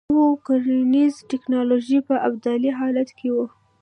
خو کرنیزه ټکنالوژي په ابتدايي حالت کې وه